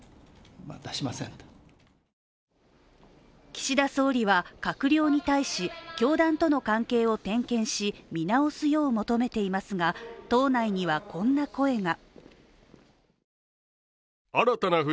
岸田総理は閣僚に対し教団との関係を点検し見直すよう求めていますが党内には、こんな声が。